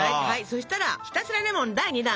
そしたらひたすらレモン第２弾！